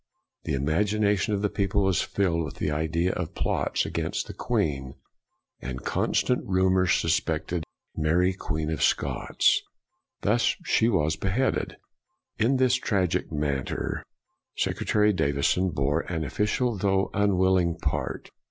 The imagination of the people was filled with the idea of plots against the Queen, and constant rumor sus pected Mary Queen of Scots. Thus she was beheaded. In this tragic matter, Sec retary Davison bore an official, though unwilling part.